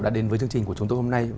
đã đến với chương trình